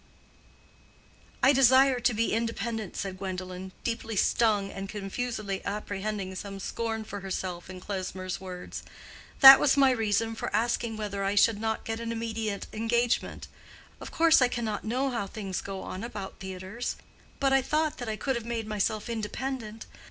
"I desire to be independent," said Gwendolen, deeply stung and confusedly apprehending some scorn for herself in Klesmer's words. "That was my reason for asking whether I could not get an immediate engagement. Of course I cannot know how things go on about theatres. But I thought that I could have made myself independent.